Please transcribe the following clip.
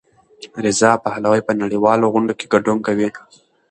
رضا پهلوي په نړیوالو غونډو کې ګډون کوي.